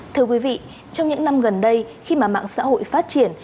thưa quý vị trong những năm gần đây khi mà mạng xã hội phát triển